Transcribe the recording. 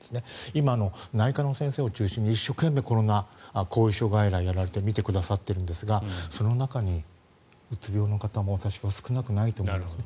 今、内科の先生を中心に一生懸命コロナ後遺症外来をやられて診てくださっているんですがその中にうつ病の方が私は少なくないと思うんです。